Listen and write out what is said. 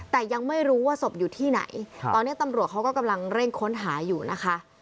แต่ยังไม่รู้ว่าศพอยู่ที่ไหนตอนนี้ตำรวจเขาก็กำลังเร่งค้นหาอยู่นะคะ